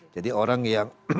jadi orang yang